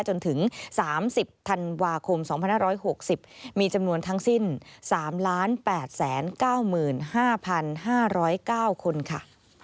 จนถึง๓๐ธันวาคม๒๕๖๐มีจำนวนทั้งสิ้น๓๘๙๕๕๐๙คนค่ะ